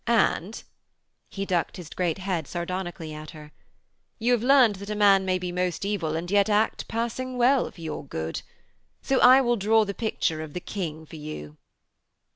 And ...' he ducked his great head sardonically at her, 'you have learned that a man may be most evil and yet act passing well for your good. So I will draw the picture of the King for you....'